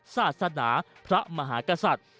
ศาสนาพระมหากษัตริย์